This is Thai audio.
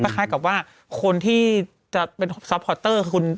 คล้ายกับว่าคนที่จะเป็นซัพพอร์ตเตอร์คือคุณ